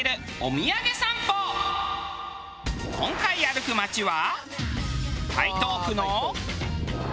今回歩く街は。